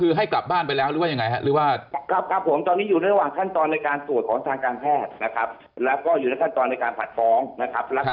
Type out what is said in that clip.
เพราะเข้ามารับแจ้งข้อเกาหาด้วยตัวเองครับผมก็เนี่ยนะครับ